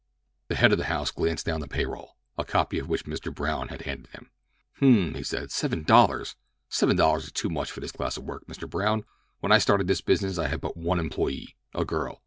The head of the house glanced down the pay roll, a copy of which Mr. Brown had handed him. "H m!" he said. "Seven dollars! Seven dollars is too much for this class of work, Mr. Brown. When I started this business I had but one employee—a girl.